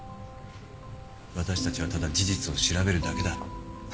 私たちはただ事実を調べるだけだ。